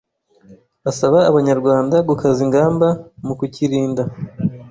asaba Abanyarwanda gukaza ingamba mu kukirinda.